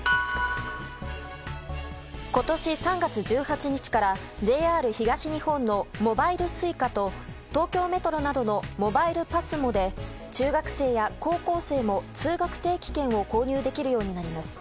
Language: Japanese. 今年３月１８日からＪＲ東日本のモバイルＳｕｉｃａと東京メトロなどのモバイルＰＡＳＭＯで中学生や高校生も通学定期券を購入できるようになります。